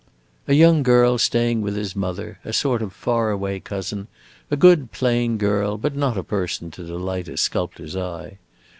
"A young girl staying with his mother, a sort of far away cousin; a good plain girl, but not a person to delight a sculptor's eye.